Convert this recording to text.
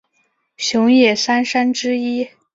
熊野三山之一。